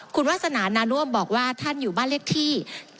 คุณวาสนานาน่วมบอกว่าท่านอยู่บ้านเลขที่